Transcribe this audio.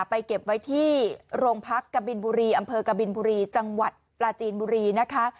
เก็บไว้ที่โรงพักกะบินบุรีอำเภอกบินบุรีจังหวัดปลาจีนบุรีนะคะ